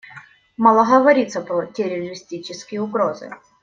Мало говорится про террористические угрозы.